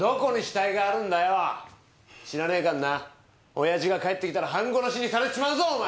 オヤジが帰ってきたら半殺しにされっちまうぞお前！